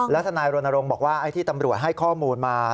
ทนายรณรงค์บอกว่าไอ้ที่ตำรวจให้ข้อมูลมา